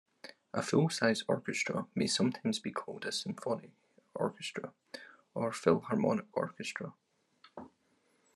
A full-size orchestra may sometimes be called a "symphony orchestra" or "philharmonic orchestra".